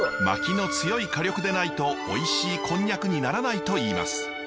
まきの強い火力でないとおいしいコンニャクにならないといいます。